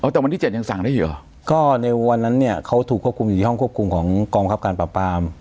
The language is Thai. แต่วันที่เจ็ดยังสั่งได้อยู่เหรอก็ในวันนั้นเนี่ยเขาถูกควบคุมอยู่ที่ห้องควบคุมของกองคับการปราบปราม